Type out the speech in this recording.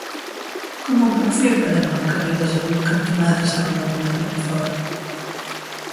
Com ho puc fer per anar al carrer Besalú cantonada Sant Ramon de Penyafort?